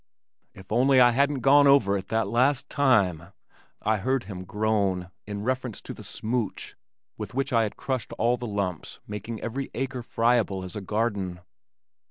"If only I hadn't gone over it that last time," I heard him groan in reference to the "smooch" with which I had crushed all the lumps making every acre friable as a garden.